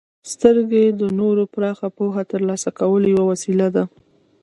•سترګې د نور پراخه پوهه د ترلاسه کولو یوه وسیله ده.